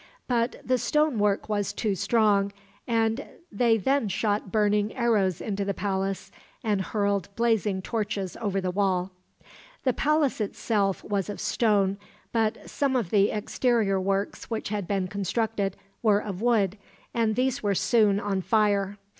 But the stonework was too strong, and they then shot burning arrows into the palace, and hurled blazing torches over the wall. The palace itself was of stone, but some of the exterior works which had been constructed were of wood, and these were soon on fire.